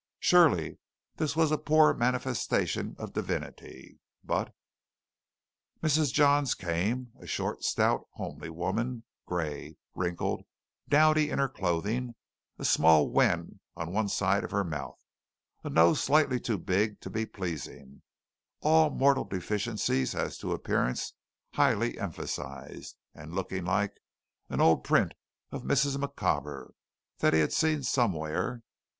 Surely this was a poor manifestation of Divinity, but Mrs. Johns came a short, stout, homely woman, gray, wrinkled, dowdy in her clothing, a small wen on one side of her mouth, a nose slightly too big to be pleasing all mortal deficiencies as to appearance highly emphasized, and looking like an old print of Mrs. Micawber that he had seen somewhere.